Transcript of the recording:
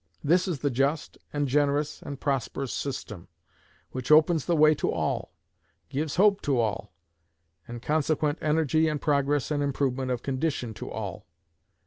This is the just and generous and prosperous system, which opens the way to all, gives hope to all, and consequent energy and progress and improvement of condition to all.